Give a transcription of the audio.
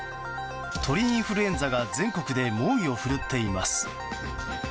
鳥インフルエンザが全国で猛威を振るっています。